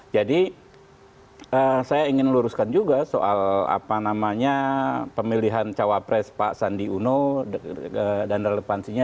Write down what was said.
jadi saya ingin luruskan juga soal apa namanya pemilihan cawapres pak sandi uno dan relevansinya